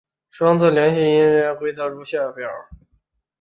双字连读变音规则如下表。